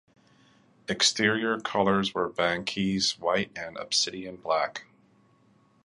Exterior colours were Banquise White and Obsidien Black.